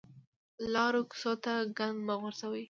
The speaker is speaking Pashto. لارو کوڅو ته ګند مه غورځوئ